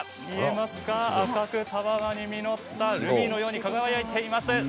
赤く、たわわに実ったルビーのように輝いています。